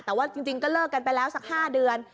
แต่ว่าจริงก็เลิกแล้วปากไปกันประมาณ๕เดือน